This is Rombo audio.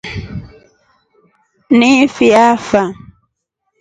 Ni fi afa?